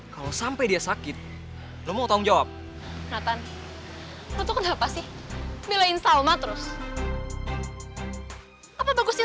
kalau sampai dia sakit lu mau tanggung jawab nathan natu kenapa sih milihin salma terus apa bagusnya